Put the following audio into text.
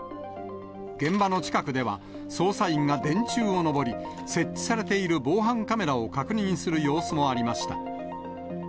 現場の近くでは、捜査員が電柱をのぼり、設置されている防犯カメラを確認する様子もありました。